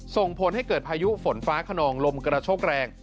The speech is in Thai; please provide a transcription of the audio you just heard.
ส่งผลให้เกิดพายุฝนฟ้าขนองลมกระโชกแรง